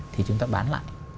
thì chúng ta bán lại